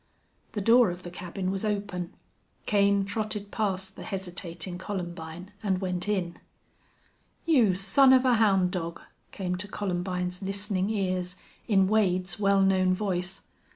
The door of the cabin was open. Kane trotted past the hesitating Columbine and went in. "You son of a hound dog!" came to Columbine's listening ears in Wade's well known voice.